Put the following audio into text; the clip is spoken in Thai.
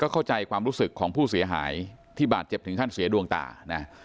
เข้าใจความรู้สึกของผู้เสียหายที่บาดเจ็บถึงขั้นเสียดวงตานะ